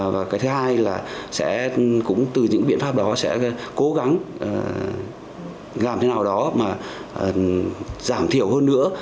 và cái thứ hai là sẽ cũng từ những biện pháp đó sẽ cố gắng làm thế nào đó mà giảm thiểu hơn nữa